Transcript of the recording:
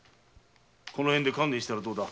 このへんで観念したらどうだ。